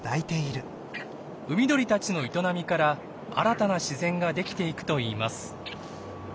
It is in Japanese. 海鳥たちの営みから新たな自然ができていくといいます。